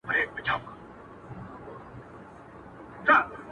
اصل خطا نلري، کم اصل وفا نه لري.